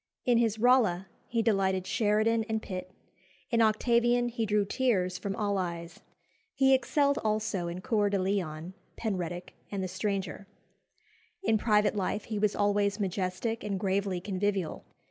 In his Rolla he delighted Sheridan and Pitt; in Octavian he drew tears from all eyes. He excelled also in Cœur de Lion, Penruddock, and the Stranger. In private life he was always majestic and gravely convivial.